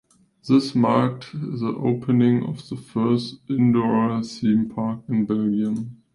This marked the opening of the first indoor theme park in Belgium.